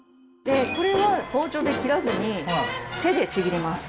これは包丁で切らずに手でちぎります。